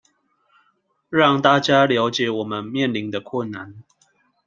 讓大家了解我們面臨的困難